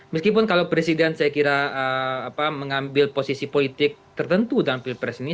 meskipun kalau presiden saya kira mengambil posisi politik tertentu dalam pilpres ini